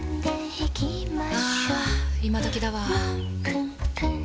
あ今どきだわ。